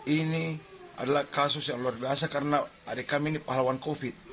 ini adalah kasus yang luar biasa karena adik kami ini pahlawan covid